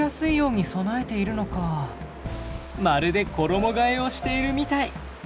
まるで衣替えをしているみたい。